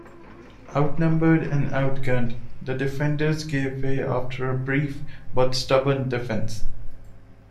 Outnumbered and outgunned, the defenders gave way after a brief, but stubborn, defense.